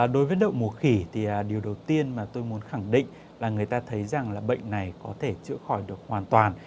đối với đậu mùa khỉ thì điều đầu tiên mà tôi muốn khẳng định là người ta thấy rằng là bệnh này có thể chữa khỏi được hoàn toàn